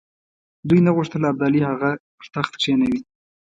دوی نه غوښتل ابدالي هغه پر تخت کښېنوي.